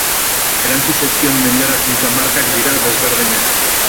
Erantsi zaizkion menderakuntza-markak dira desberdinak.